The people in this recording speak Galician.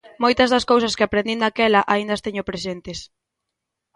Moitas das cousas que aprendín daquela aínda as teño presentes.